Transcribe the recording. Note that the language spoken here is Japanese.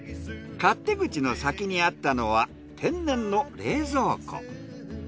勝手口の先にあったのは天然の冷蔵庫。